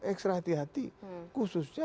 ekstra hati hati khususnya